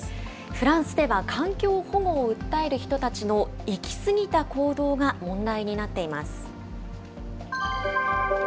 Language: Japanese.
フランスでは環境保護を訴える人たちの行き過ぎた行動が問題になっています。